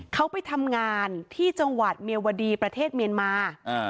เขาไปทำงานที่จังหวัดเมียวดีประเทศเมียนมา